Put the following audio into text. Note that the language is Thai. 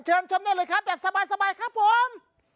ชมได้เลยครับแบบสบายครับผม